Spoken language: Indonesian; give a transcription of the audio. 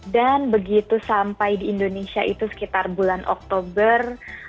dan begitu sampai di indonesia itu sekitar bulan oktober